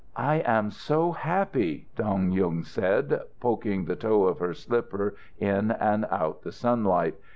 "I am so happy!" Dong Yung said, poking the toe of her slipper in and out the sunlight.